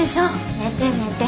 寝て寝て。